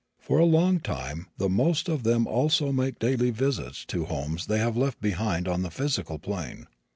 For a long time the most of them also make daily visits to the homes they have left behind on the physical plane.